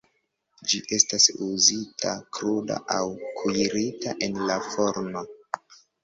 Ĝi estas uzita kruda aŭ kuirita en la forno.